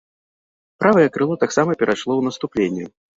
Правае крыло таксама перайшло ў наступленне.